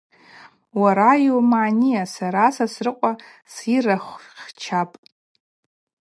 Уара йуымгӏаныйа? — Сара Сосрыкъва сйырахвхчапӏ.